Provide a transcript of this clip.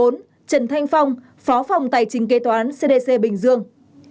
bốn trần thanh phong phó phòng tài chính kế toán cdc bình dương